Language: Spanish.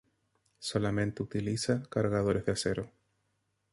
Solamente utiliza cargadores de acero.